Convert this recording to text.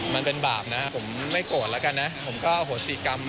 มันเป็นบาปนะผมไม่โกรธแล้วกันนะผมก็โหสิกรรม